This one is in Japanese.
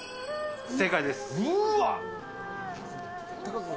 正解です。